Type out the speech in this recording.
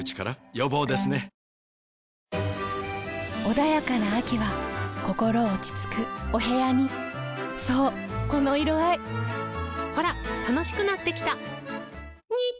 穏やかな秋は心落ち着くお部屋にそうこの色合いほら楽しくなってきた！